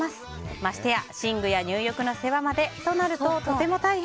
ましてや寝具や入浴の世話までとなるととても大変。